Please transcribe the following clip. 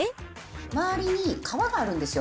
周りに皮があるんですよ。